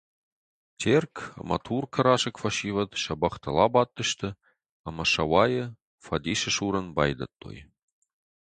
Терк ӕмӕ Туркы расыг фӕсивӕд сӕ бӕхтыл абадтысты ӕмӕ Сӕуайы фӕдисы сурын байдыдтой.